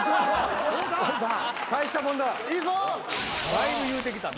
だいぶ言うてきたな。